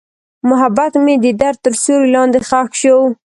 محبت مې د درد تر سیوري لاندې ښخ شو.